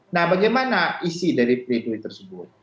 nah bagaimana isi dari pledoi tersebut